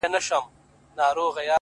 • چي د عقل په میدان کي پهلوان وو ,